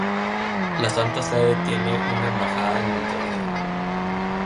La Santa Sede tiene una embajada en Montevideo.